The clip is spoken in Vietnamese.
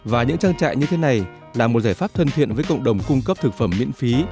và những trang trại như thế này là một giải pháp thân thiện với cộng đồng cung cấp thực phẩm miễn phí